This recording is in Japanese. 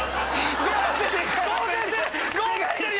合成してる！